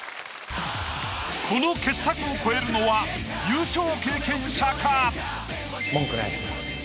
この傑作を超えるのは優勝経験者か？